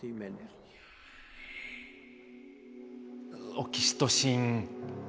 オキシトシン。